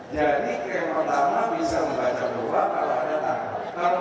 jadi yang pertama bisa membaca peluang kalau ada tantangan